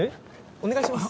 お願いします。